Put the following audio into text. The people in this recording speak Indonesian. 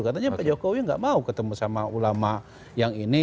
katanya pak jokowi tidak mau ketemu ulama yang ini